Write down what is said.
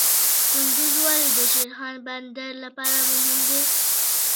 کندز ولې د شیرخان بندر لپاره مهم دی؟